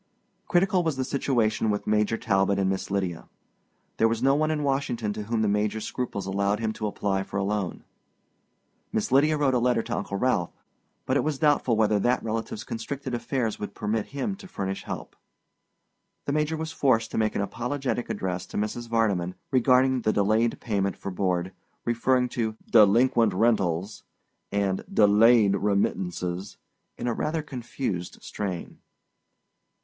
Critical was the situation with Major Talbot and Miss Lydia. There was no one in Washington to whom the Major's scruples allowed him to apply for a loan. Miss Lydia wrote a letter to Uncle Ralph, but it was doubtful whether that relative's constricted affairs would permit him to furnish help. The Major was forced to make an apologetic address to Mrs. Vardeman regarding the delayed payment for board, referring to "delinquent rentals" and "delayed remittances" in a rather confused strain.